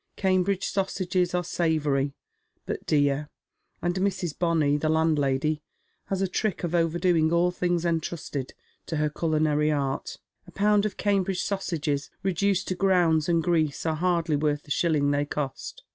Cambridge sausages are savoury, but dear ; and Mrs. Bonny, the landlady, has a trick of overdoing all things entrusted to her culinary art. A pound of Cambridge sausages, reduced to grounds and grease, are hardly worth the shilling they cost.